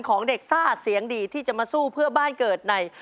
ของเด็กซ่าเสียงดีที่จะมาสู้เพื่อบ้านเกิดใน